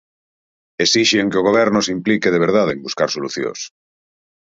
Esixen que o Goberno se implique de verdade en buscar solucións.